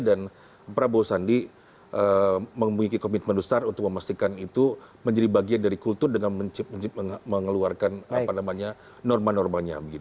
dan prabowo sandi memiliki komitmen besar untuk memastikan itu menjadi bagian dari kultur dengan mengeluarkan norma normanya